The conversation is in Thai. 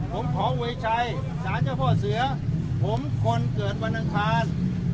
ผมขอเวยชัยสารเจ้าพ่อเสือผมคนเกิดวันอังคาร